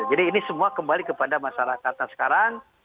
jadi ini semua kembali kepada masyarakatnya sekarang